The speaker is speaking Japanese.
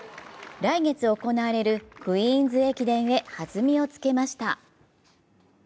来月行われるクイーンズ駅伝へ弾みをつけました。